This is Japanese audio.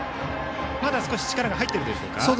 まだ少し力が入っているでしょうか。